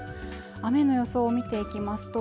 雨の予想を見ていきますと